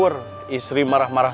terima kasih tang